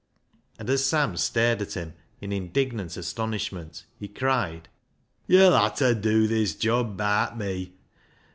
And as Sam stared at him in indignant astonishment, he cried —" Yo'll ha' ta dew this job baat me.